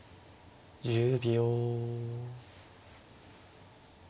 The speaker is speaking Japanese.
１０秒。